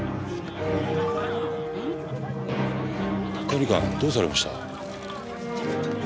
管理官どうされました？